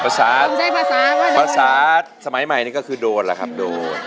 พระศาสตร์พระศาสตร์สมัยใหม่นี้ก็คือโดนแหละครับโดน